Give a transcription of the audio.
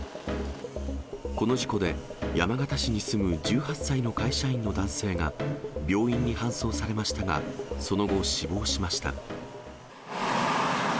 この事故で、山形市に住む１８歳の会社員の男性が、病院に搬送されましたがその後、死亡しました。